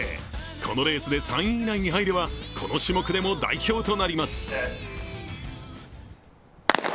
このレースで３位以内に入れば、この種目でも代表となります。